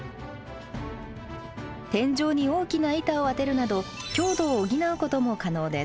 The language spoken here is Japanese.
天井に大きな板を当てるなど強度を補うことも可能です。